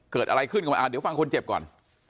เกิดอะไรขึ้นกันมาเดี๋ยวฟังคนเจ็บก่อน